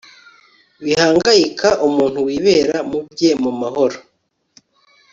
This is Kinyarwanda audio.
bihangayika umuntu wibera mu bye mu mahoro